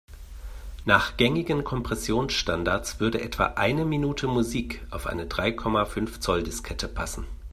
Nach gängigen Kompressionsstandards würde etwa eine Minute Musik auf eine drei Komma fünf Zoll-Diskette passen.